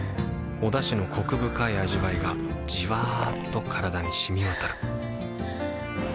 おだしのコク深い味わいがじわっと体に染み渡るはぁ。